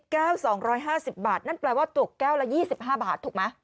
๒๕๐บาทนั่นแปลว่าตกแก้วละ๒๕บาทถูกไหม